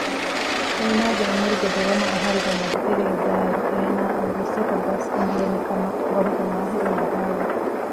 އޭނާގެ އުމުރުގެ ދެވަނަ އަހަރުގެ މެދުތެރެއަށް ދާއިރު އޭނާއަށް ވިއްސަކަށް ބަސް އެނގޭނެ ކަމަށް ބަހުގެ މާހިރުން ވިދާޅުވެ